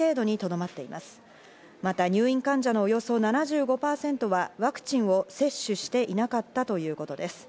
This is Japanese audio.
また入院患者のおよそ７５％はワクチンを接種していなかったということです。